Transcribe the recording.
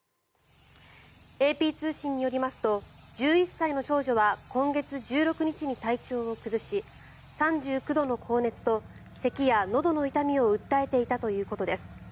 ＡＰ通信によりますと１１歳の少女は今月１６日に体調を崩し３９度の高熱とせきやのどの痛みを訴えていたということです。